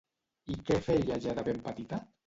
I què feia ja de ben petita?